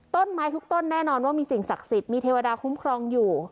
ต้นไม้ทุกต้นแน่นอนว่ามีสิ่งศักดิ์สิทธิ์มีเทวดาคุ้มครองอยู่